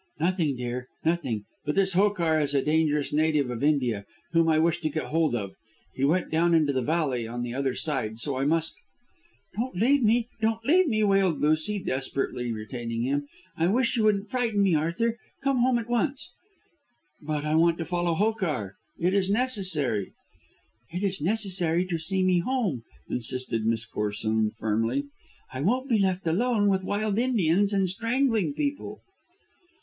"Nothing, dear; nothing. But this Hokar is a dangerous native of India whom I wish to get hold of. He went down into the valley on the other side, so I must " "Don't leave me! don't leave me!" wailed Lucy, desperately detaining him. "I wish you wouldn't frighten me, Arthur. Come home at once." "But I want to follow Hokar. It is necessary " "It is necessary to see me home," insisted Miss Corsoon firmly. "I won't be left alone with wild Indians and strangling people."